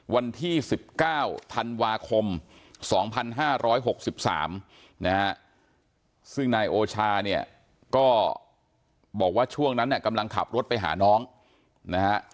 วันที่๑๙ธันวาคม๒๕๖๓นะฮะซึ่งนายโอชาเนี่ยก็บอกว่าช่วงนั้นกำลังขับรถไปหาน้องนะฮะ